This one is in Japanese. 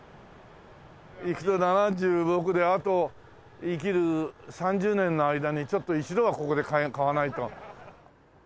いくと７６であと生きる３０年の間にちょっと一度はここで買わないと。